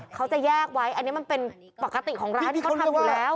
เขาจะแยกไว้อันนี้มันเป็นปกติของร้านที่เขาทำอยู่แล้ว